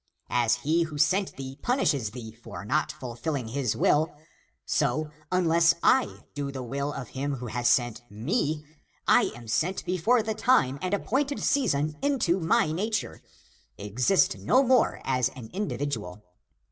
As he who sent thee punishes thee for not fulfilling his will, so, unless I do the will of him who has sent me, I am sent before the time and appointed season into my nature (exist no more as an individual).